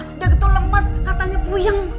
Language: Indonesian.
udah gitu lempas katanya buyang